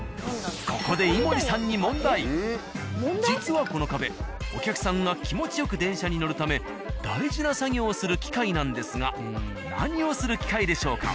ここで井森さんに実はこの壁お客さんが気持ちよく電車に乗るため大事な作業をする機械なんですが何をする機械でしょうか？